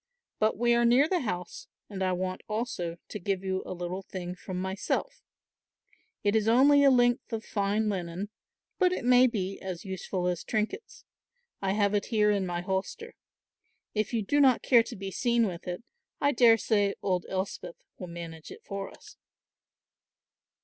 But we are near the house and I want also to give you a little thing from myself; it is only a length of fine linen, but it may be as useful as trinkets. I have it here in my holster. If you do not care to be seen with it, I daresay old Elspeth will manage it for us."